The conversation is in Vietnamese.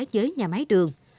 với nhà máy đường